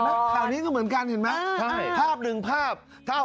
เมื่อท่านใกล้เรื่องฟังภูมิไม่ได้ชอบ